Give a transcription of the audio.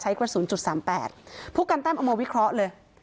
กระสุนจุดสามแปดผู้การแต้มเอามาวิเคราะห์เลย